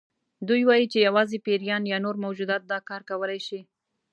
دوی وایي چې یوازې پیریان یا نور موجودات دا کار کولی شي.